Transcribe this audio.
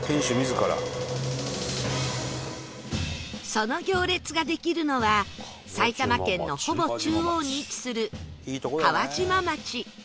その行列ができるのは埼玉県のほぼ中央に位置する川島町